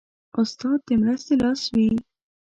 استاد د مرستې لاس وي.